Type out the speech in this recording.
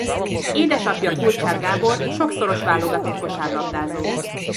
Édesapja Kulcsár Gábor sokszoros válogatott kosárlabdázó.